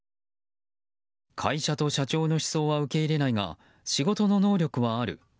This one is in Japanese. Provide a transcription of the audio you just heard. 会社と社長の思想は受け入れないが仕事の能力はある。